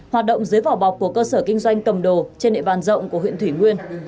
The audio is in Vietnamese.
hoạt động dưới vỏ bọc của cơ sở kinh doanh cầm đồ trên địa bàn rộng của huyện thủy nguyên